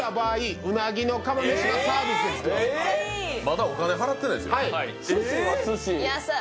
まだお金払ってないですよ寿司は？